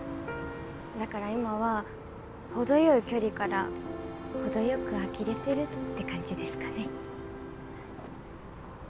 だから今は程よい距離から程よく呆れてるって感じですかね。